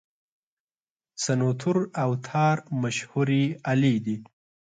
سنتور او تار مشهورې الې دي.